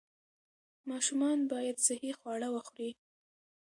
ماشومان باید صحي خواړه وخوري.